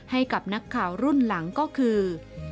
ให้กับนักข่าวรุ่นหลังก็คือ